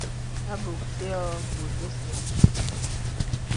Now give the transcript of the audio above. À bòk tè ɔ̄ɔ̄ bòt bèsɛ̂.